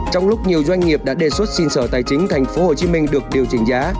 trong lúc nhiều doanh nghiệp đã đề xuất xin sở tài chính thành phố hồ chí minh được điều chỉnh giá